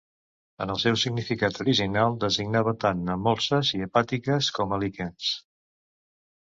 En el seu significat original designava tant a molses i hepàtiques com a líquens.